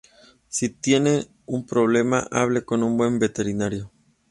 Si tiene un problema, hable con un buen veterinario".